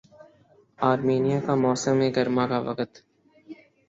Armenia کا موسم گرما کا وقت